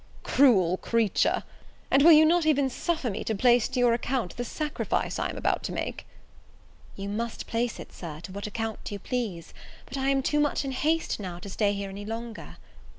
cruel creature, and will you not even suffer me to place to your account the sacrifice I am about to make?" "You must place it, Sir, to what account you please; but I am too much in haste now to stay here any longer."